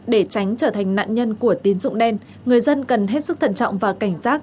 để tránh trở thành nạn nhân của tín dụng đen người dân cần hết sức thận trọng và cảnh giác